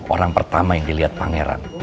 orang pertama yang dilihat pangeran